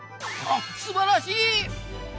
すばらしい！